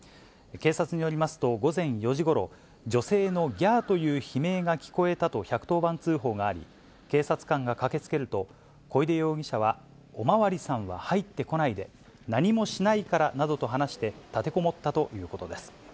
警察によりますと、午前４時ごろ、女性のぎゃーという悲鳴が聞こえたと１１０番通報があり、警察官が駆けつけると、小出容疑者は、お巡りさんは入ってこないで、何もしないからなどと話して、立てこもったということです。